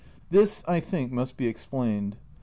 This, I think, must be explained.